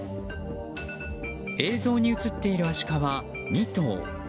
映像に映っているアシカは２頭。